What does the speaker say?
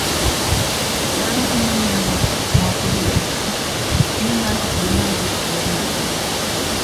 Dhano ema miyo gik moko bedo marach, nimar ok ginyal rito ler mar dendgi.